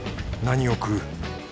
何を食う？